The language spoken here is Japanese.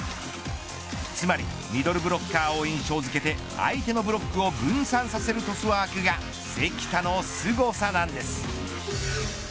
つまりミドルブロッカーを印象づけて相手のブロックを分散させるトスワークが関田のすごさなんです。